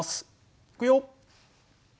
いくよ！